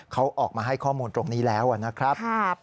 เขาออกมาให้ข้อมูลตรงนี้แล้วนะครับ